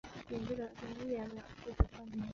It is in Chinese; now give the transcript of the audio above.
交通部部长否认了所有有关袭击抗议者的指控。